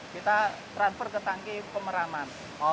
kita transfer ke tangki pemeraman